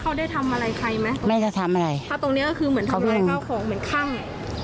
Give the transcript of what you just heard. อืมแล้วเขาได้ทำอะไรใครมั้ย